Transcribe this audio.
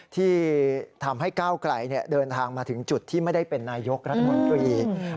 ที่ทำให้ก้าวไกลเดินทางมาถึงจุดที่ไม่ได้เป็นนายกรัฐมนตรี